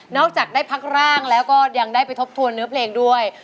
จากได้พักร่างแล้วก็ยังได้ไปทบทวนเนื้อเพลงด้วย